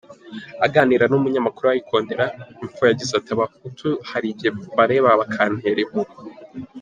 Aganira n’ umunyamakuru wa Ikondera info, yagize ati “Abahutu hari igihe mbareba bakantera impuhwe.